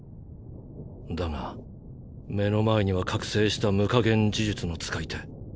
だが目の前には覚醒した無下限呪術の使い手。